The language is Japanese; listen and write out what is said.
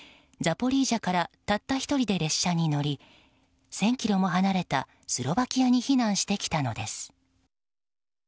ザポリージャからたった１人で列車に乗り１０００ｋｍも離れたスロバキアに避難してきたのです。